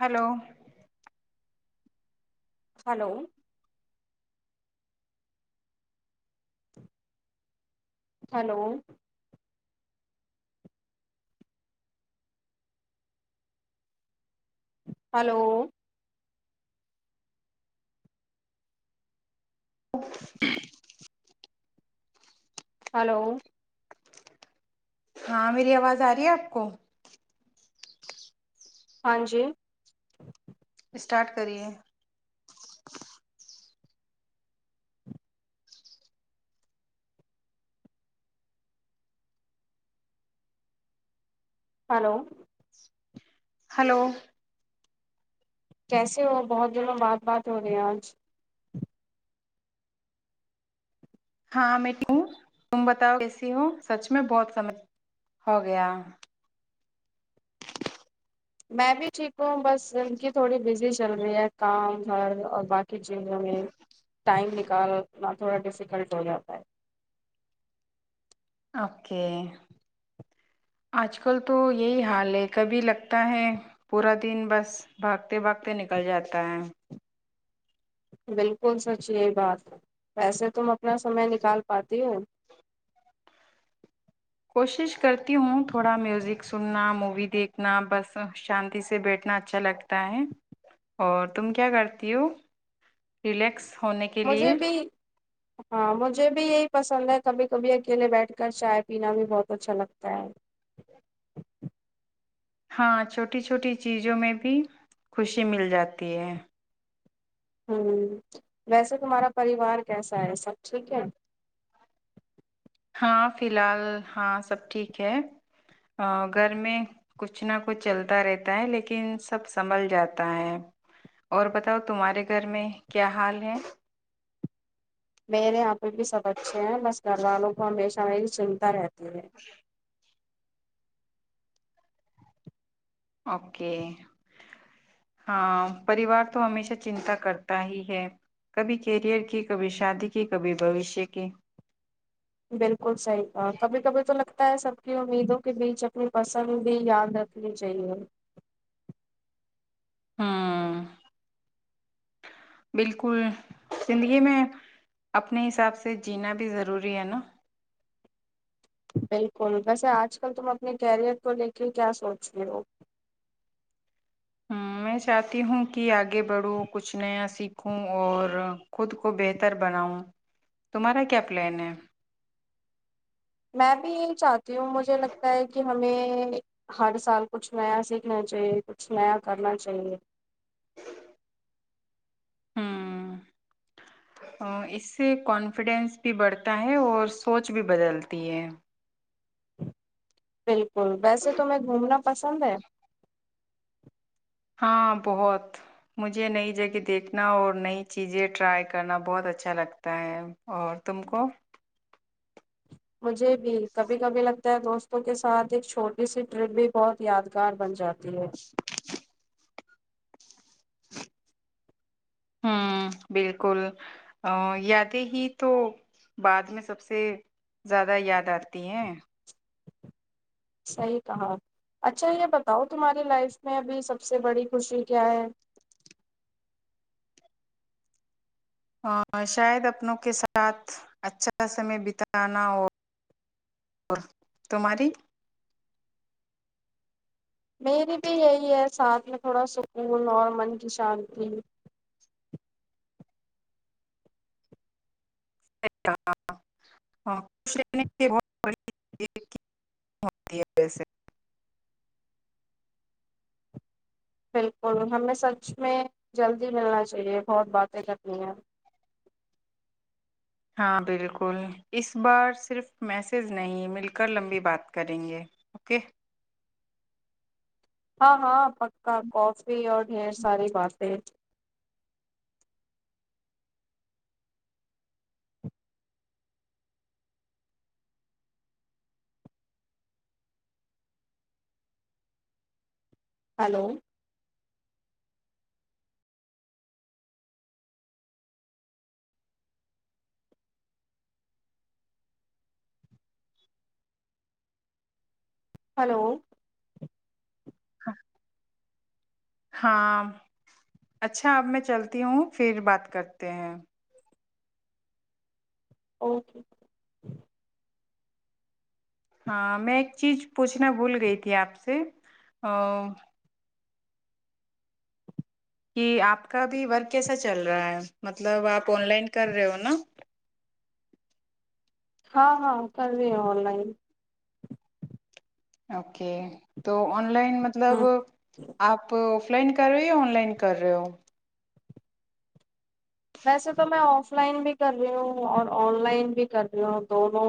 hello hello hello hello [inaudible] hello [unintelligible] ہاں میری آواز آ رہی ہے آپ کو ہاں جی [unintelligible] اسٹارٹ کرے ہلو ہلو [unintelligible] کیسے ہو بہت دن میں بات بات ہو رہی ہے آج ہاں میں ہوں تم بتاؤ کیسی ہو سچ میں بہت سمج ہو گیا میں بھی ٹھیک ہوں بس ان کی تھوڑی بزی چل رہی ہے کام گھر اور باقی کہ جیوں میں ٹائم نکال انا تھوڑا ڈیفیکلٹ ہو جاتا ہے اوکے آج کل تو یہی حال ہے کبھی لگتا ہے پورا دن بس بھاگتے بھاگتے نکل جاتا ہے بالکل سچ یہی بات ویسے تم اپنا سمے نکال پاتی ہو کوشش کرتی ہوں تھوڑا میوزک سننا مووی دیکھنا بس شانتی سے بیٹھنا اچھا لگتا ہے اور تم کیا کرتی ہو ریلیکس ہونے کے لیے مجھے [unintelligible] بھی ہاں مجھے بھی یہی پسند ہے کبھی کبھی اکیلے بیٹھ کر چائے پینا بھی بہت اچھا لگتا ہے ہاں چھوٹی چھوٹی چیزوں میں بھی خوشی مل جاتی ہے ویسے تمہارا پریوار کیسا ہے سب ٹھیک ہے ہاں فی الحال ہاں سب ٹھیک ہے گھر میں کچھ نہ کچھ چلتا رہتا ہے لیکن سب سنبھل جاتا ہے اور بتاؤ تمہارے گھر میں کیا حال ہے میرے یہاں پہ بھی سب اچھے ہیں بس گھر والوں کو ہمیشہیری چنتا رہتی ت [unintelligible] اوکے ہاں پریوار تو ہمیشہ چنتا کرتا ہی ہے کبھی کیریئر کی کبھی شادی کی کبھی بوشیہ کی بالکل صحیح کا کبھی کبھی تو لگتا ہے سب کی امیدوں کے بیچ اپنی پسند بھی یاد رکھنی چاہیے ہوں بالکل زندگی میں اپنے حساب سے جینا بھی ضروری ہے نا بالکل ویسے آج کل تم اپنے کیریئر کو لے کے کیا سوچ رہے ہو ہ میں چاہتی ہوں کہ آگے بڑھوں کچھ نیا سیکھوں اور خود کو بہتر بناؤں تمہارا کیا پلان ہے میں بھی یہی چاہتی ہوں مجھے لگتا ہے کہ ہمیں ہر سال کچھ نیا سیکھنا چاہیے کچھ نیا کرنا چاہیے ہ اس سے کانفیڈینس بھی بڑھتا ہے اور سوچ بھی بدلتی ہے بالک بالکل ویسے تو میں گھومنا پسند ہے ہاں بہت مجھے نئی جگہ دیکھنا اور نئی چیزیں ٹرائی کرنا بہت اچھا لگتا ہے اور تم کو مجھے [unintelligible] ب کبھی کبھی لگتا دوستوں کے ساتھ ایک چھوٹی سی ٹرپ بھی بہت یادگار بن جاتی جی ہوں بالکل ا یادیں ہی تو بعد میں سب سے زیادہ یاد آتی ہیں صحیح کہا اچھا یہ بتاؤ تمہاری لائف میں ابھی سب سے بڑی خوشی کیا ہے شاید اپنوں کے ساتھ اچھا سمے بتانا اور تمہاری میری بھی یہی ہے ساتھ میں تھوڑا سکون اور من کی شانتی ہاں خوش رہنے بڑیسے بالکل ہمیں سچ میں جلدی ملنا چاہیے بہت باتیں کرنی ہیں ہاں بالکل اس بار صرف میسج نہیں مل کر لمبی بات کریں گے اوکے ہاں ہاں پکا کافی اور ڈھیر ساری باتیں ہلو ہلو ہاں ہاں اچھا اب میں چلتی ہوں پھر بات کرتے ہیں اوکے ہاں میں ایک چیز پوچھنا بھول گئی تھی آپ سے ا کہ آپ کا بھیھی ورک کیسا چل رہا ہے مطلب آپ آن لائن کر رہے ہو نا ہاں ہاں کر رہے ہیں آن لائن اوکے ک تو آن لائن مطلب ہ آپ آف لائن کر رہے ہو یا آن لائن کر رہے ہو ویسے تو میں آف لائن بھی کر رہی ہوں اور آن لائن بھی کر رہی ہوں دونوں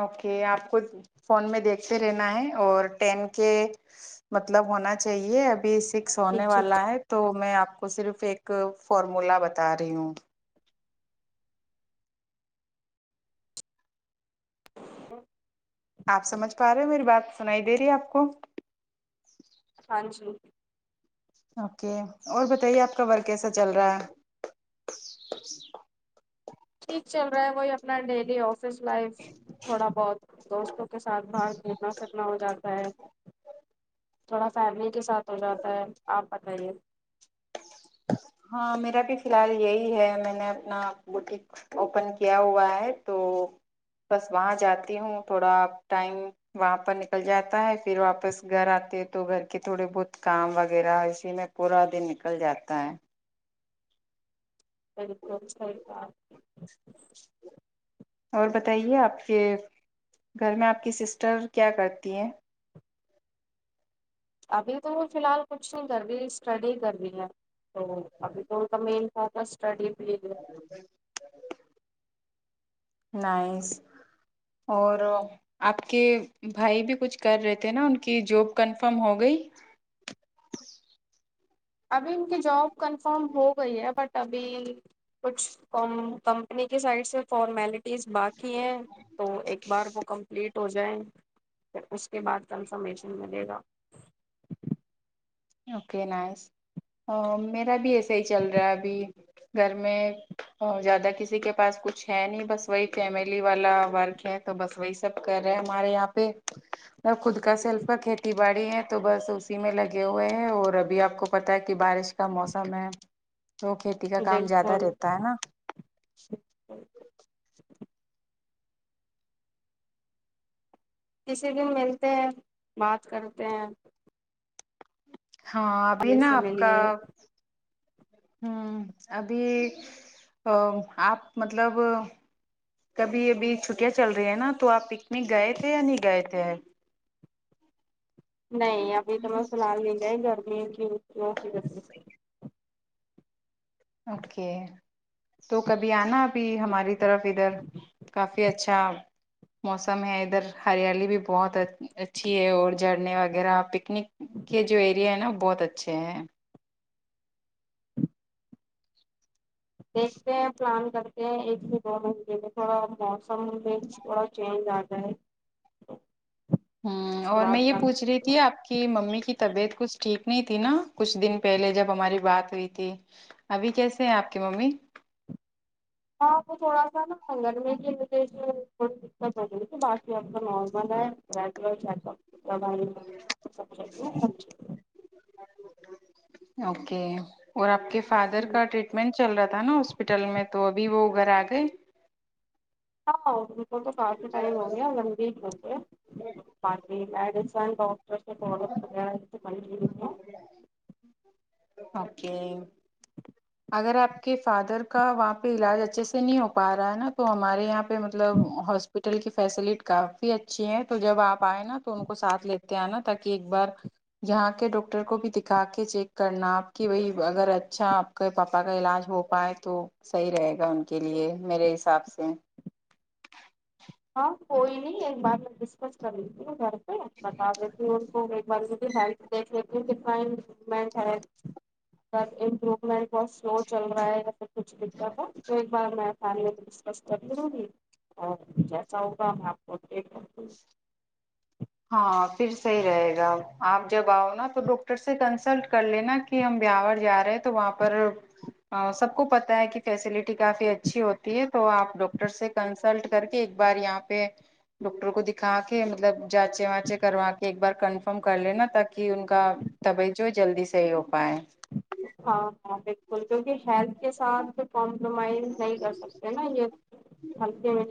اوکے آپ کو فون میں دیکھتے رہنا ہے اور ٹین کے مطلب ہونا چاہیے ابھی سکس ہونے ٹھیک ٹھیک والا ہے تو میں آپ کو صرف ایک فارمولا بتا رہی ہوں ہ آپ سمجھ پا رہے ہو میری بات سنائی دے رہی ہے آپ کو پج اوکے اور بتائیے آپ کا ور کیسا چل رہا ہے ٹھیک چل رہا ہے وہیب اپنا ڈیلی آفس لائف تھوڑا بہت دوستوں کے ساتھ باہر گنا سکنا ہو جاتا ہے تھوڑا فیملی کے ساتھ ہو جاتا ہے آپ بتائیے ہاں میرا بھی فی الحال یہی ہے میں نے اپنا بٹیک اوپن کیا ہوا ہے تو بس وہاں جاتی ہوں تھوڑا ٹائم وہاں پر نکل جاتا ہے پھر واپس گھر آتے تو گھر کے تھوڑے بہت کام وغیرہ اسی میں پورا دن نکل جاتا تا ہے سل کو سر کا اور بتائیے آپ کے گھر میں آپ کی سسٹر کیا کرتی ہیں ابھی تو فی الحال کچھ نہیں کر رہی اسٹڈی کر رہی ہے تو ابھی تو تم فوکسٹڈی جٹی نس اور آپ کے بھائی بھی کچھ کر رہے تھے نا ان کی جاب کنفرم ہو گئی ابھی ان کی جاب کنفرم ہو گئی ہے بٹ ابھی کچھ کمپنی کی سائڈ سے فارمیلٹی پز باقی ہے تو ایک بار وہ کمپلیٹ ہو جائے ج پ اس کے بعد کنفرمیشن ملے گا اوکے نائس میرا بھی ایسے ہی چل رہا ہے ابھی گھر میں زیادہ کسی کے پاس کچھ ہے نہیں بس وہی فیملی والا ورک ہے تو بس وہی سب کر رہے ہیں ہمارے یہاں پہ خود کا سیلف کا کھیتی باڑی ہے تو بس اسی میں لگے ے ہوئے ہیں اور ابھی آپ کو پتا ہے کہ بارش کا موسم ہے تو کھیتی کا کام زیادہ بالکل رہتا ہے نا [inaudible] کسی دن ملتے ہیں بات کرتے ہیں [inaudible] ہاں ابھی آگے نا سے آپ کا ملیے ہوں ابھی آپ مطلب کبھی ابھی چھٹیاں چل رہی ہیں نا تو آپ پکنک گئے تھے یا نہیں گئے تھے نہیں ابھی تو میں ف الحال ل جئی گرمیوں کی اٹ کے تو کبھی آنا بھی ہماری طرف ادھر کافی اچھا موسم ہے ادھر ہریالی بھی بہت اچھی ہے اور جھرنے وغیرہ پ پکنک کے جو ایریا ہے نا بہت اچھے ہیں دیکھتے ہیں پلان کرتے ہیں ایک سے دو مہٹے میں تھوڑا موسم میں تھوڑا چینج آ جائے ہ اس کے اور میں بعد یہ پلان پوچھ رہی تھی آپ کی ممی کی طبیعت کچھ ٹھیک نہیں تھی نا کچھ دن پہلے جب ہماری بات ہوئی تھی ابھی کیسے ہے آپ کی ممی ہاں وہ تھوڑا سا نا سنگرگر میں کے لی دقت ہوگ باق ا کا نارمل ہے رات چ [inaudible] دو سب چاہیے سب [inaudible] اوکے اور آپ کے فادر چیز کا ٹریٹمنٹ چل رہا تھا نا ہاسپٹل میں تو ابھی وہ غ رگ وہ تو کافی ٹائم ہو گیا اور لمبی ہو باقی بی بہت بڑ [unintelligible] اوکے [inaudible] اگر آپ کے فادر کا وہاں پہ علاج اچھے سے نہیں ہو پا رہا ہے نا تو ہمارے یہاں مطلب ہاسپٹل ہوٹل کی فیسلٹی کافی اچھی ہے تو جب آپ آئے نا تو ان کو ساتھ لیتے آنا تاکہ ایک بار یہاں کے ڈاکٹر کو بھی دکھا کے چیک کرنا آپ کی وہی اگر اچھا آپ کے پاپا کا علاج ہو پائے تو صحیح رہے گا ان کے لیے میرے حساب سے ہاں کوئی نہیں ایک بار میں ڈسکس کر لیتی ن گ بتا دیتی ان کو ایک بار دیکھ لیتی ہوں کتنا امپرومنٹ ہے س امپرومنٹ بہت سلو چل رہا ہے جسے کچھ دق رہا تھا تو ایک بار میں فیملی کو ڈسکس کر ل لوں گی اور سو کا میںپ رہائے گا آپ جب آؤ نا تو ڈاکٹر سے کنسلٹ کر لینا کہ ہم بیاوور جا رہے ہیں تو وہاں پر سب کو پتاہ ہے کہ فیسلٹی کافی اچھی ہوتی ہے تو آپ ڈاکٹر سے کنسلٹ کر کے ایک بار یہاں پہ ڈاکٹر کو دکھا کے مطلب جانچے واچے کروا کے ایک بار کنفرم کر لےینا تاکہ ان کا توب جو جلدی صحیح ہو پائے ہاں ہاں بکل ب کیوںکہ ہیلتھ کے ساتھ کمپرومائز نہیں کر سکتے نا یہ ہلکے میں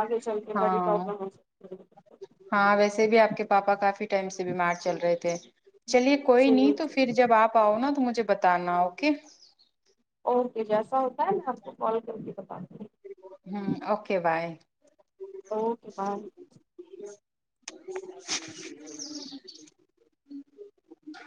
آگے چلتے بڑی ہاں پرابلم ہو ہاں ویسے بھی آپ کے پاپا کافی ٹائم سے بیمار چل رہے تھے چلیے کوئی ہے نہیں جی تو پھر جب آپ آؤ نا تو مجھ مجھے بتانا اوک اوکے جیسا ہوتا ہے میں آپ کو کال کر کے بتا دوں گی ہ اوکے بائے اوکے ب ج